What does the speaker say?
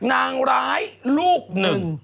นางร้ายลูกหนึ่ง